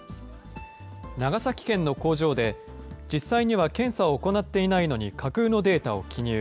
長崎県の工場で実際には検査を行っていないのに架空のデータを記入。